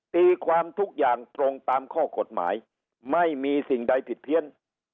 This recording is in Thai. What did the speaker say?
ตีความทุกอย่างตรงตามข้อกฎหมายไม่มีสิ่งใดผิดเพี้ยน